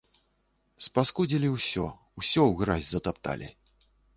Спаскудзілі ўсё, усё ў гразь затапталі.